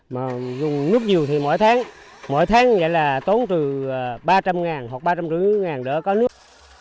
mà dùng nước nhiều thì mỗi tháng mỗi tháng vậy là tốn từ ba trăm linh ngàn hoặc ba trăm năm mươi ngàn đỡ có nước